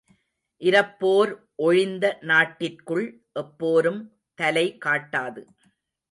இரப்போர் ஒழிந்த நாட்டிற்குள் எப்போரும் தலை காட்டாது.